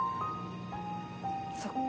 そっか。